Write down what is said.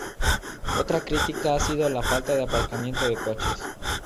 Otra crítica ha sido la falta de aparcamiento de coches.